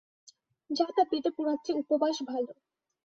যা তা পেটে পোরার চেয়ে উপবাস ভাল।